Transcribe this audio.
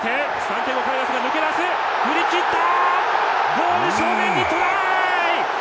ゴール正面にトライ！